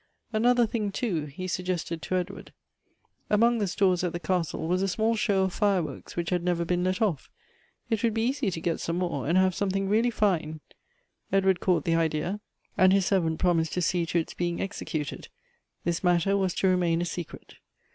Another thing, too, he suggested to Edward. Among the stores at the castle was a small show of fireworks which had never been let off. It would be easy to get some more, and have some thing really fine. Edward caught the idea, and his ser vant promised to see to its being executed. This matter was to remain a secret.